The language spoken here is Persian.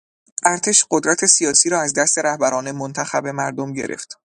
ارتش قدرت سیاسی را از دست رهبران منتخب مردم گرفت.